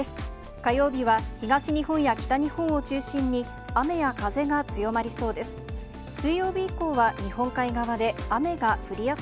火曜日は、東日本や北日本を中心に、雨や風が強まりそうです。